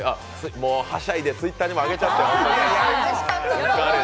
もうはしゃいで、Ｔｗｉｔｔｅｒにもあげちゃって。